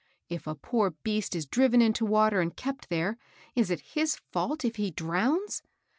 If a poor beast is driven into water and kept there, is it his fault if he drowns?